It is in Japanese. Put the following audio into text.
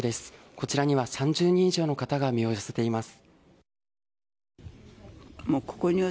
こちらには３０人以上の方が身を寄せています。